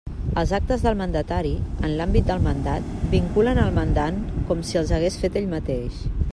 Els actes del mandatari, en l'àmbit del mandat, vinculen el mandant com si els hagués fet ell mateix.